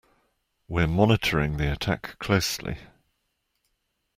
We're monitoring the attack closely.